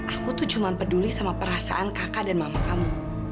aku tuh cuma peduli sama perasaan kakak dan mama kamu